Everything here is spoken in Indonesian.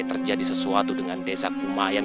terjadi sesuatu dengan desa kumayan